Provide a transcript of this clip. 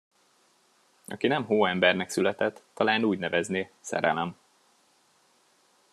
Aki nem hóembernek született, talán úgy nevezné: szerelem.